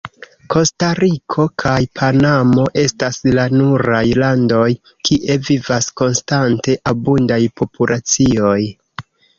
Kostariko kaj Panamo estas la nuraj landoj, kie vivas konstante abundaj populacioj.